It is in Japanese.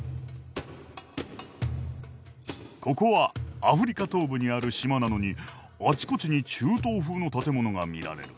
ここはアフリカ東部にある島なのにあちこちに中東風の建物が見られる。